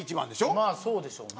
まあそうでしょうね。